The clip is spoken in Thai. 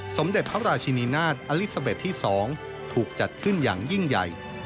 สมเด็จพระราชินีนาฏอลิซาเบสที่๒ถูกจัดขึ้นอย่างยิ่งใหญ่